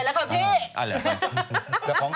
เข้าใจแล้วครับพี่